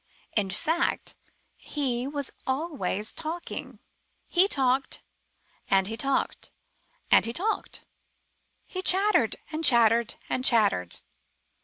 In fact he was always talking. He talked, and he talked, and he talked; he chattered, and chat tered, and chattered.